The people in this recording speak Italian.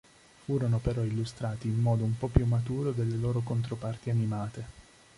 Furono però illustrati in modo un po' più maturo delle loro controparti animate.